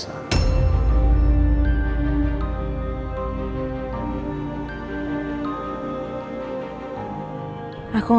saya akan melakukannya